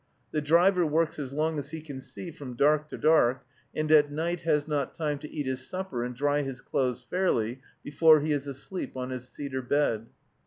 The driver works as long as he can see, from dark to dark, and at night has not time to eat his supper and dry his clothes fairly, before he is asleep on his cedar bed.